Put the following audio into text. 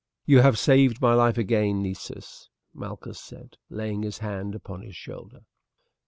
"You have saved my life again, Nessus," Malchus said, laying his hand upon his shoulder.